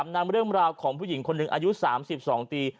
นำเรื่องราวของผู้หญิงคนหนึ่งอายุ๓๒ปี